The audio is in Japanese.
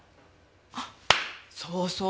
あそうそう。